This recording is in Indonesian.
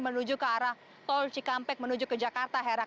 menuju ke arah tol cikampek menuju ke jakarta hera